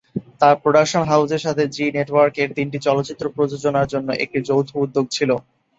তাঁর প্রোডাকশন হাউজের সাথে জি নেটওয়ার্ক এর তিনটি চলচ্চিত্র প্রযোজনার জন্য একটি যৌথ উদ্যোগ ছিল।